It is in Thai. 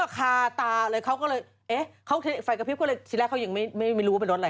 คาตาเลยเขาก็เลยแฟกกกือเลยจิละก็ไม่รู้เป็นรถไร